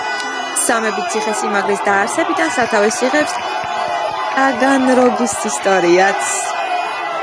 სამების ციხესიმაგრის დაარსებიდან სათავეს იღებს ტაგანროგის ისტორიაც.